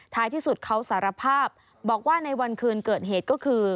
ที่สุดเขาสารภาพบอกว่าในวันคืนเกิดเหตุก็คือ